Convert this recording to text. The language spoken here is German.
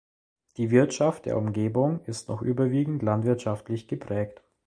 Die Wirtschaft der Umgebung ist noch überwiegend landwirtschaftlich geprägt.